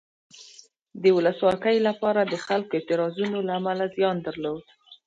د ولسواکۍ لپاره د خلکو اعتراضونو له امله زیان درلود.